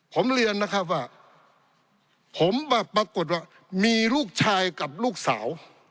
ผมเรียนนะครับว่าผมปรากฏว่ามีลูกชายกับลูกสาว